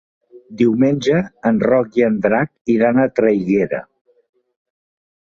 Diumenge en Roc i en Drac iran a Traiguera.